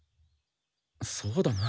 そうだな。